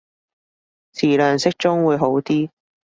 詞量適中會好啲